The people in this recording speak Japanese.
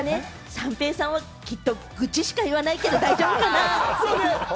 三瓶さん、きっと愚痴しか言わないけれども大丈夫かな。